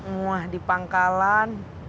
mwah di pangkalan